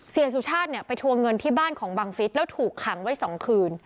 เสียสุชาติเนี่ยไปทัวร์เงินที่บ้านของบังฤษแล้วถูกขังไว้สองคืน